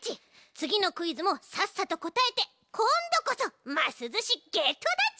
つぎのクイズもさっさとこたえてこんどこそますずしゲットだち！